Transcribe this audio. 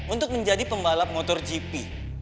untuk menjadi pembalap motor gp